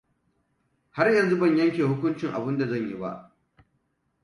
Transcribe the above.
Har yanzu ban yanke hukuncin abin da zan yi ba.